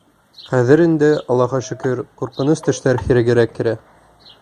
Хәҙер инде, Аллаға шөкөр, ҡурҡыныс төштәр һирәгерәк керә.